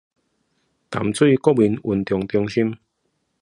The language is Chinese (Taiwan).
淡水國民運動中心